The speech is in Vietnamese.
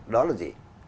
đó là gì